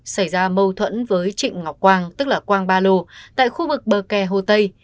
xảy ra mâu thuẫn với trịnh ngọc quang tức là quang ba lô tại khu vực bờ kè hồ tây